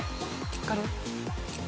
分かる？